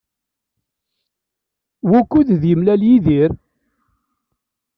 Wukud d-yemlal Yidir?